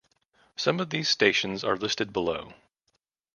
Some of these stations are listed below.